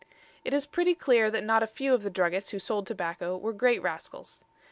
It is pretty clear that not a few of the druggists who sold tobacco were great rascals.